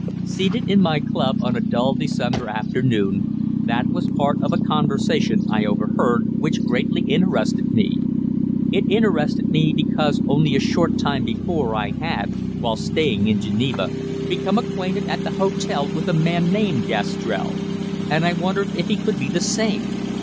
Seated in my club on a dull December afternoon, that was part of a conversation I overheard, which greatly interested me. It interested me because only a short time before I had, while staying in Geneva, become acquainted at the hotel with a man named Gastrell, and I wondered if he could be the same.